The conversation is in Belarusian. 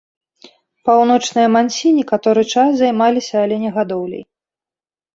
Паўночныя мансі некаторы час займаліся аленегадоўляй.